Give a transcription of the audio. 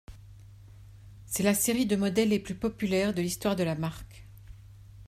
C'est la série de modèles les plus populaires de l'histoire de la marque.